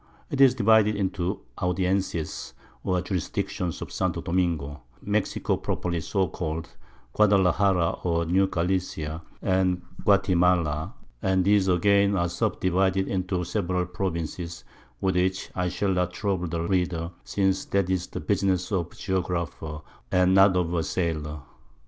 'Tis divided into the Audiences, or Jurisdictions of St. Domingo, Mexico properly so call'd, Guadalajara or New Gallicia, and Guatimala; and these again are subdivided into several Provinces, with which I shall not trouble the Reader, since that is the Business of a Geographer, and not of a Sailor.